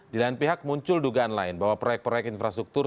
di lain pihak muncul dugaan lain bahwa proyek proyek infrastruktur